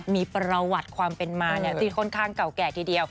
มีประวัติความเป็นมาที่ค่อนข้างเก่าแก่ทีเดียว